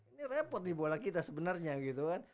ini repot di bola kita sebenarnya gitu kan